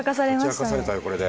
解き明かされたよこれで。